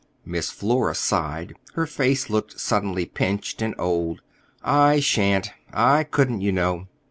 Miss Flora sighed. Her face looked suddenly pinched and old. "I shan't. I couldn't, you know.